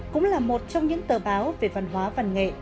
cũng là một trong những tờ báo về văn hóa văn nghệ